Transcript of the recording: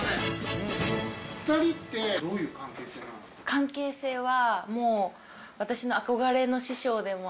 関係性は。